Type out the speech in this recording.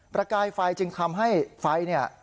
ประกายไฟจึงทำให้ไฟเนี่ย